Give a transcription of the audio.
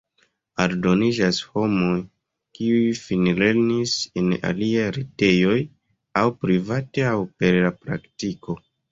Aldoniĝas homoj, kiuj finlernis en aliaj retejoj aŭ private aŭ per la praktiko.